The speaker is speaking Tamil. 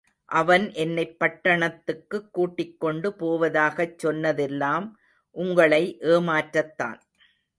அவன் என்னைப் பட்டணத்துக்குக் கூட்டிக்கொண்டு போவதாகச் சொன்னதெல்லாம் உங்களை ஏமாற்றத்தான்.